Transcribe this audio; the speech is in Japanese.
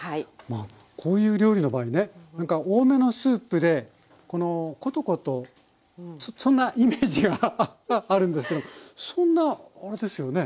まあこういう料理の場合ねなんか多めのスープでコトコトそんなイメージがあるんですけどそんなあれですよね